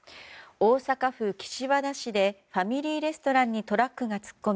大阪府岸和田市でファミリーレストランにトラックが突っ込み